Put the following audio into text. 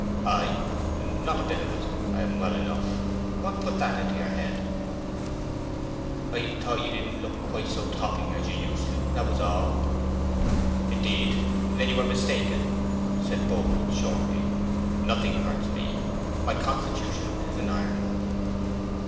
"I? Not a bit of it: I am well enough. What put that into your head?" "I thought you didn't look quite so topping as you used to, that was all." "Indeed, then you are mistaken," said Boldwood, shortly. "Nothing hurts me. My constitution is an iron one."